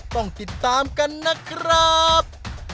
ต้องติดตามกันนะครับ